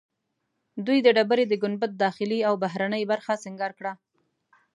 دوی د ډبرې د ګنبد داخلي او بهرنۍ برخه سنګار کړه.